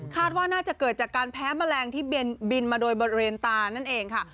ว่าน่าจะเกิดจากการแพ้แมลงที่บินมาโดยบริเวณตานั่นเองค่ะ